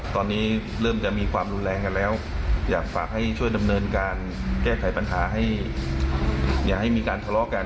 ตอนนี้เริ่มจะมีความรุนแรงกันแล้วอยากฝากให้ช่วยดำเนินการแก้ไขปัญหาให้อย่าให้มีการทะเลาะกัน